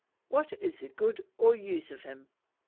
_ What is the good (or use) of him?